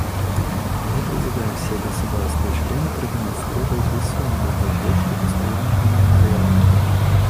Мы призываем все государства-члены продемонстрировать весомую поддержку постоянного мемориала.